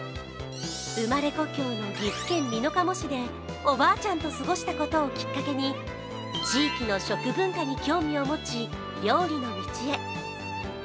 生まれ故郷の岐阜県美濃加茂市でおばあちゃんと過ごしたことをきっかけに地域の食文化に興味を持ち料理の道へ。